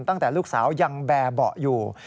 ตั้งแต่ลูกสาวยังแบบออยู่